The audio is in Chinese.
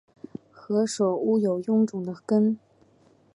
何首乌有臃肿的根